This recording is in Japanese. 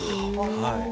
はい。